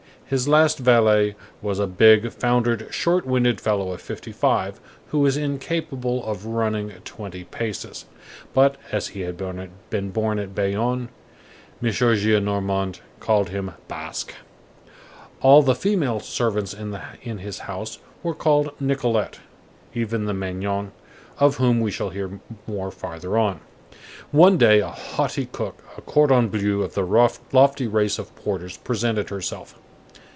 His last valet was a big, foundered, short winded fellow of fifty five, who was incapable of running twenty paces; but, as he had been born at Bayonne, M. Gillenormand called him Basque. All the female servants in his house were called Nicolette (even the Magnon, of whom we shall hear more farther on). One day, a haughty cook, a cordon bleu, of the lofty race of porters, presented herself.